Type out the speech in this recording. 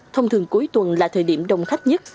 thông thường cuối tuần là thời điểm đông khách nhất